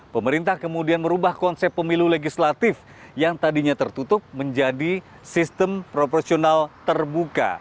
pemerintah kemudian merubah konsep pemilu legislatif yang tadinya tertutup menjadi sistem proporsional terbuka